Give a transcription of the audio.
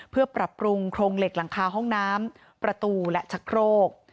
เพื่อปรับปรุงโครงเหล็กหลังคาห้องน้ำประตูและชะโครก